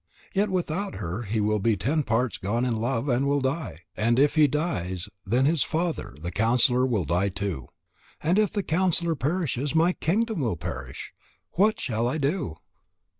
Yet without her he will be ten parts gone in love, and will die. And if he dies, then his father, the counsellor, will die too. And if the counsellor perishes, my kingdom will perish. What shall I do?"